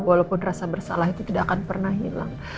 walaupun rasa bersalah itu tidak akan pernah hilang